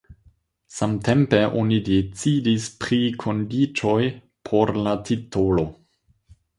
Samtempe oni decidis pri kondiĉoj por la titolo.